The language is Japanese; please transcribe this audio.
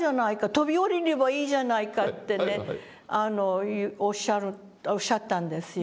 飛び降りればいいじゃないか」っておっしゃったんですよ。